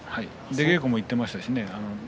出稽古に行っていました。